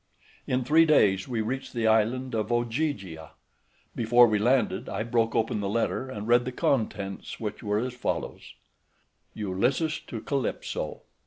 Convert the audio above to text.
In three days we reached the island of Ogygia. Before we landed, I broke open the letter, and read the contents, which were as follows: ULYSSES TO CALYPSO.